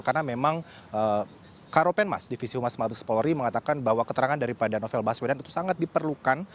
karena memang karopenmas divisi humas malabes polri mengatakan bahwa keterangan daripada novel baswedan itu sangat diperlukan